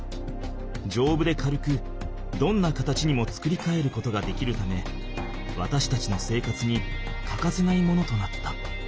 丈夫で軽くどんな形にも作り変えることができるためわたしたちの生活にかかせないものとなった。